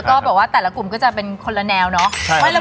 ก็บอกว่าแต่ละกลุ่มก็จะเป็นคนละแนวเนาะ